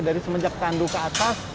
dari semenjak tandu ke atas